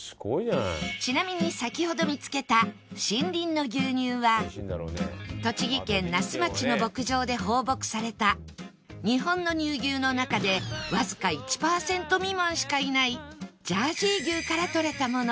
ちなみに先ほど見つけた森林ノ牛乳は栃木県那須町の牧場で放牧された日本の乳牛の中でわずか１パーセント未満しかいないジャージー牛から採れたもの